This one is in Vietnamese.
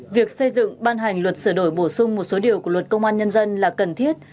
việc xây dựng ban hành luật sửa đổi bổ sung một số điều của luật công an nhân dân là cần thiết